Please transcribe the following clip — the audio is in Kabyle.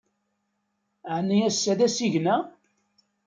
Ɛni ass-a d asigna?